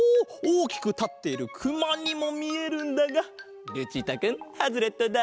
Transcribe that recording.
おおきくたっているくまにもみえるんだがルチータくんハズレットだ！